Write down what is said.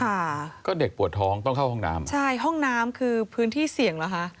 ค่ะก็เด็กปวดท้องต้องเข้าห้องน้ำใช่ห้องน้ำคือพื้นที่เสี่ยงเหรอคะ